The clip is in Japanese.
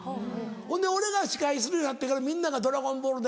ほんで俺が司会するようになってからみんなが『ドラゴンボール』だ